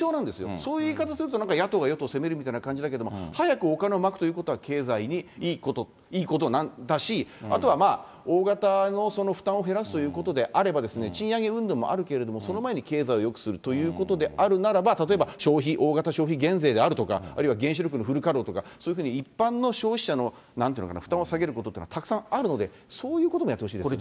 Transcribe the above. そういう言い方すると、なんか野党が与党を責めるみたいな感じだけど、早くお金をまくということは経済にいいことなんだし、あとは大型の負担を減らすということであれば、賃上げうんぬんもあるけれども、その前に経済をよくするということであるならば、例えば消費、大型消費減税であるとか、あるいは原子力のフル稼働とか、そういうふうに一般の消費者のなんていうのかな、負担を下げることというのは、たくさんあるので、そういうことにやってほしいですよね。